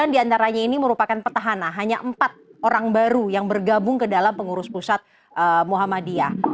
sembilan diantaranya ini merupakan petahana hanya empat orang baru yang bergabung ke dalam pengurus pusat muhammadiyah